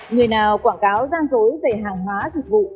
người nào quảng cáo gian dối về hàng hóa dịch vụ